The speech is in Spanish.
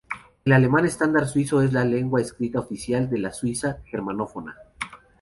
El alemán estándar suizo es la lengua escrita oficial de la Suiza germanófona.